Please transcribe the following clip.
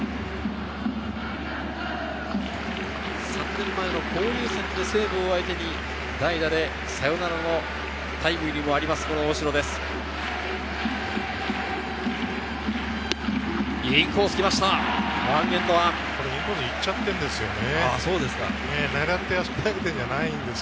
３年前の交流戦で西武を相手に、代打でサヨナラのタイムリーもあります、大城です。